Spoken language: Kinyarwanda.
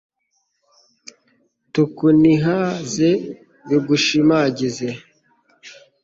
tukuninahaze, bigushimagize